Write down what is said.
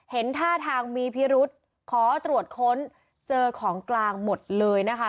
เห็นท่าทางมีพิรุษขอตรวจค้นเจอของกลางหมดเลยนะคะ